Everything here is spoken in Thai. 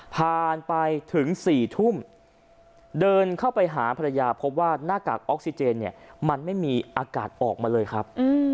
ผ่านไปถึง๔ทุ่มเดินเข้าไปหาภรรยาพบว่าหน้ากากออกซิเจนเนี่ยมันไม่มีอากาศออกมาเลยครับ